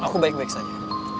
aku baik baik saja